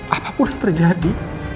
apapun yang terjadi